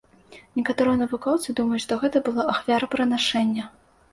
Некаторыя навукоўцы думаюць, што гэта было ахвярапрынашэнне.